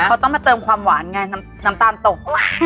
เขาต้องมาเติมความหวานไงน้ำตาลตก